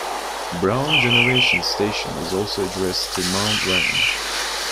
Brown Generating Station is also addressed to Mount Vernon.